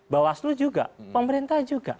bawaslu juga pemerintah juga